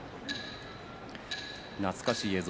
懐かしい映像。